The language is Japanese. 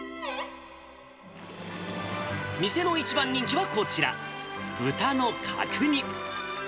店の一番人気はこちら、豚の角煮。